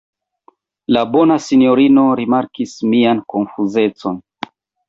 La bona sinjorino rimarkis mian konfuzecon.